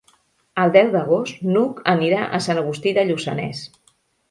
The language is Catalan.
El deu d'agost n'Hug anirà a Sant Agustí de Lluçanès.